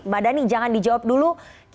mbak dhani jangan dijawab dulu